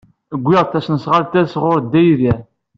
Wwiɣ-d tasnasɣalt-a sɣur Dda Yidir.